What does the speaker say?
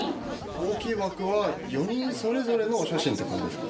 大きい枠は４人それぞれのお写真って感じですか。